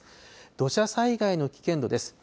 土砂災害の危険度です。